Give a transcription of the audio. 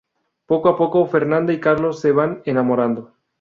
Poco a poco, Fernanda y Carlos, se van enamorando.